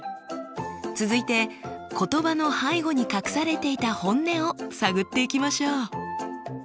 続いて言葉の背後に隠されていた本音を探っていきましょう。